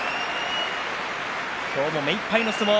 今日も目いっぱいの相撲。